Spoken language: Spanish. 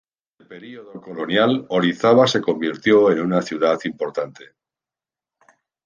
Durante el período colonial, Orizaba se convirtió en una ciudad importante.